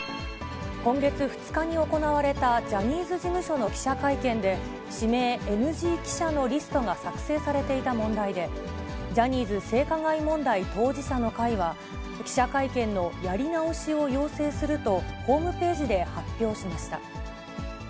今月２日に行われたジャニーズ事務所の記者会見で、指名ＮＧ記者のリストが作成されていた問題で、ジャニーズ性加害問題当事者の会は、記者会見のやり直しを要請すると、ホームページで発表しました。